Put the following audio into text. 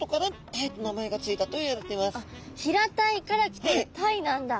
あっ平たいから来てるタイなんだ。